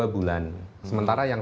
dua puluh dua bulan sementara yang